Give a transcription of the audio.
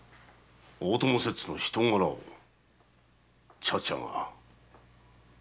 大友摂津の人柄を茶々が。